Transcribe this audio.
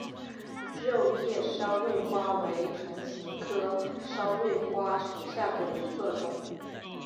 肉叶鞘蕊花为唇形科鞘蕊花属下的一个种。